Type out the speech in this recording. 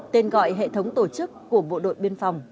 tên gọi hệ thống tổ chức của bộ đội biên phòng